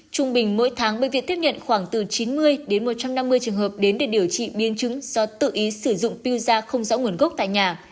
trung bình mỗi tháng bệnh viện tiếp nhận khoảng từ chín mươi đến một trăm năm mươi trường hợp đến để điều trị biến chứng do tự ý sử dụng piu da không rõ nguồn gốc tại nhà